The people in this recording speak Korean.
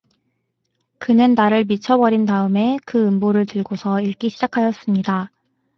그는 나를 밀쳐 버린 다음에 그 음보를 들고서 읽기 시작하였습니다.